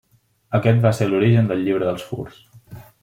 Aquest va ser l'origen del llibre dels Furs.